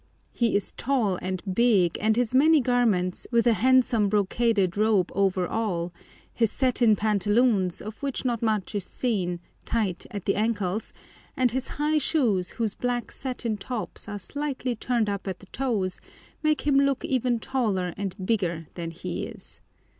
He is tall and big, and his many garments, with a handsome brocaded robe over all, his satin pantaloons, of which not much is seen, tight at the ankles, and his high shoes, whose black satin tops are slightly turned up at the toes, make him look even taller and bigger than he is.